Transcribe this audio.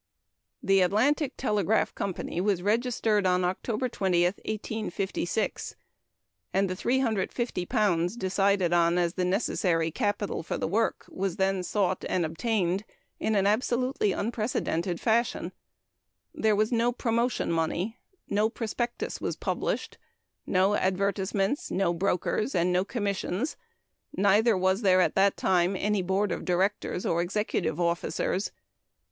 The Atlantic Telegraph Company was registered on October 20, 1856, and the £350,000 decided on as the necessary capital for the work was then sought and obtained in an absolutely unprecedented fashion. There was no promotion money, no prospectus was published, no advertisements, no brokers, and no commissions, neither was there at that time any board of directors or executive officers.